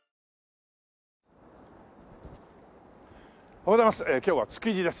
おはようございます。